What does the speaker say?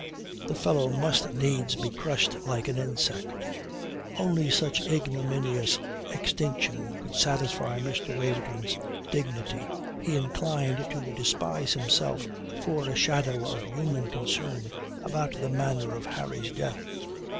The fellow must needs be crushed like an insect. Only such ignominious extinction could satisfy Mr. Waverton's dignity. He inclined to despise himself for a shadow of human concern about the manner of Harry's death.